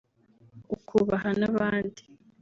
ukubaha n’abandi